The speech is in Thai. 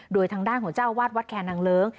โดยทางด้านของเจ้าวาดวัดแคนนางเลิ้ง